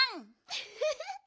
ウフフ。